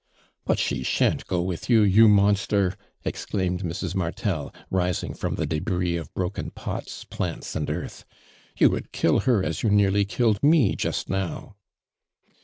" But she shan't go with you, you mons ter!" exclaimed Mrs. Martel, rising from the debris of broken pots, plants and eai'th. " You would kill her as you nearly killed me, just now."